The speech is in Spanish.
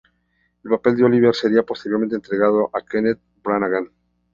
El papel de Olivier sería posteriormente entregado a Kenneth Branagh.